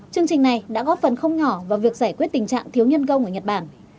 chương trình này đã góp phần không nhỏ vào việc giải quyết tình trạng thiếu nhân công ở nhật bản